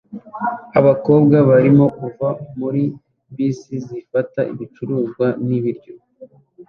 Abakobwa barimo kuva muri bisi zifata ibicuruzwa n'ibiryo